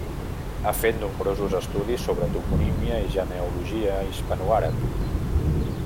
Ha fet nombrosos estudis sobre toponímia i genealogia hispanoàrab.